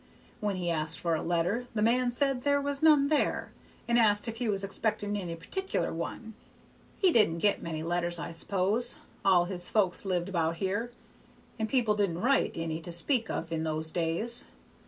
When he asked for a letter, the man said there was none there, and asked if he was expecting any particular one. He didn't get many letters, I s'pose; all his folks lived about here, and people didn't write any to speak of in those days.